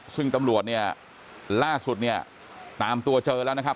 ซึ่งตำรวจเนี่ยล่าสุดเนี่ยตามตัวเจอแล้วนะครับ